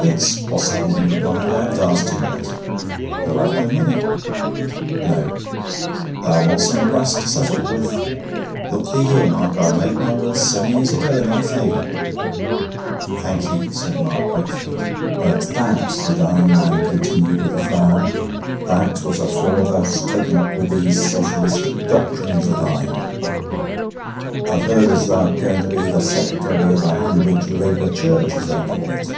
'It's possible,' he replied. 'I haven't asked her yet.' 'Her'll have no money?' 'No.' 'Thou'lt want some brass to set up with. Look thee here, Mark: I made my will seven years ago i' thy favour.' 'Thank ye,' said Mark gratefully. 'But that,' the dying man continued with a frown 'that was afore thou'dst taken up with these socialistic doctrines o' thine. I've heard as thou'rt going to be th' secretary o' the Hanbridge Labour Church, as they call it.'